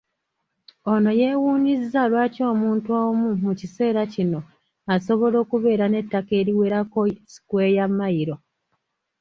Ono yeewuunyizza lwaki omuntu omu mu kiseera kino asobola okubeera n’ettaka eriwerako ssikweya Mayiro.